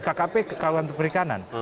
kkp kawasan perikanan